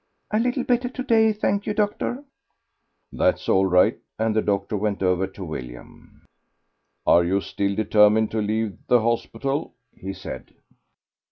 "A little better to day, thank you, doctor." "That's all right;" and the doctor went over to William. "Are you still determined to leave the hospital?" he said.